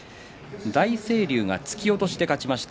大成龍が突き落としで勝ちました。